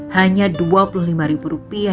hanya dua puluh lima rupiah